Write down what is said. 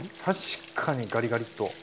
確かにガリガリッと。